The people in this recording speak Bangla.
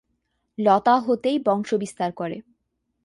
লতা হতেই বংশ বিস্তার করে।